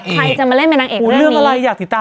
ใครจะมาเล่นแบบนางเอกนี่